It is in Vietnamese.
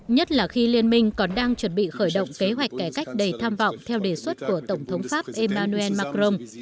nhất là khi liên minh còn đang chuẩn bị khởi động kế hoạch cải cách đầy tham vọng theo đề xuất của tổng thống pháp emmanuel macron